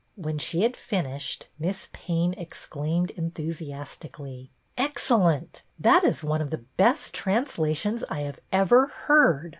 When she had finished. Miss Payne exclaimed enthusiasti cally, —" Excellent ! That is one of the best translations I have ever heard.